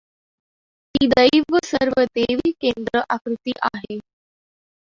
ती दैव सर्व देवी केंद्र आकृती आहे.